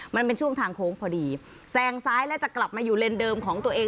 มันเป็นช่วงทางโค้งพอดีแซงซ้ายแล้วจะกลับมาอยู่เลนเดิมของตัวเอง